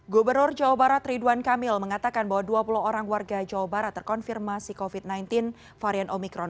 gubernur jawa barat ridwan kamil mengatakan bahwa dua puluh orang warga jawa barat terkonfirmasi covid sembilan belas varian omikron